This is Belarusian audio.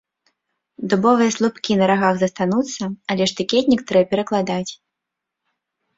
Дубовыя слупкі на рагах застануцца, але штыкетнік трэ перакладаць.